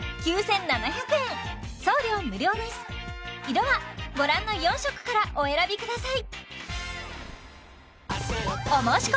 色はご覧の４色からお選びください